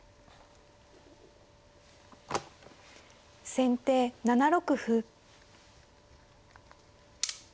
先手７六歩。